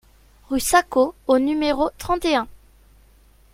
RUE SACO au numéro trente et un